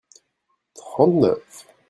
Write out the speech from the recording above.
trente neuf.